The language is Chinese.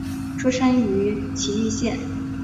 出身于崎玉县。